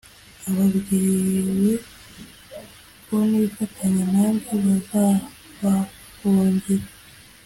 ababwiwe ko nibifatanya nanjye bazabafungira.